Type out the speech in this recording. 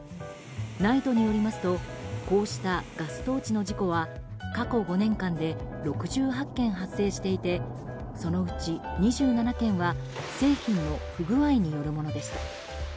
ＮＩＴＥによりますとこうしたガストーチの事故は過去５年間で６８件、発生していてそのうち２７件は製品の不具合によるものでした。